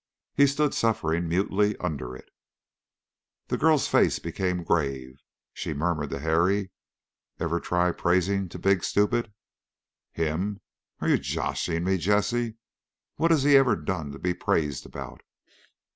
He stood suffering mutely under it. The girl's face became grave. She murmured to Harry, "Ever try praisin' to big stupid?" "Him? Are you joshin' me, Jessie? What's he ever done to be praised about?"